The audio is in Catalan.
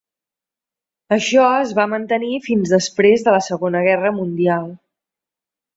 Això es va mantenir fins després de la Segona Guerra Mundial.